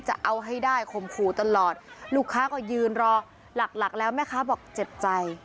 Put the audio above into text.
จะเอาให้ได้ข่มขู่ตลอดลูกค้าก็ยืนรอหลักหลักแล้วแม่ค้าบอกเจ็บใจ